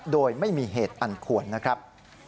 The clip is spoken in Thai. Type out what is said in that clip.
โดยไม่มีเหตุอันควรนะครับ